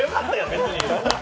別に！